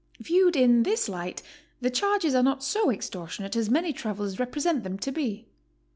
Viewed in this light, the charges are not so extortionate as many travelers represent them to be.